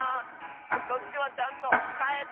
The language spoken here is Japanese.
そっちはちゃんとかえた？